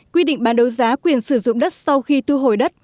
quy định bán đấu giá quyền sử dụng đất sau khi thu hồi đất